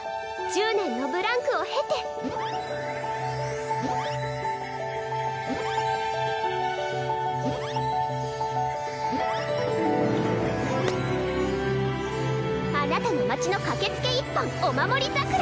１０年のブランクを経てあなたの町のかけつけ一本おまもり桜！